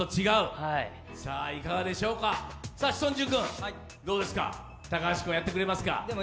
いかがでしょうか、志尊淳君どうですか、高橋君、やってくれますか？